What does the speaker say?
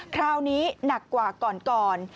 คราวนี้หนักกว่าก่อน